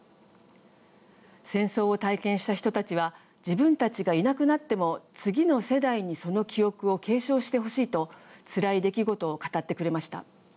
戦争を体験した人たちは自分たちがいなくなっても次の世代にその記憶を継承してほしいとつらい出来事を語ってくれました。